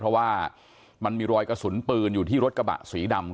เพราะว่ามันมีรอยกระสุนปืนอยู่ที่รถกระบะสีดำ